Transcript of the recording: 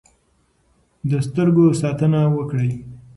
د سترګو ساتنه وکړئ.